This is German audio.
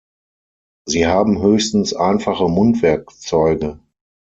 Sie haben höchstens einfache Mundwerkzeuge.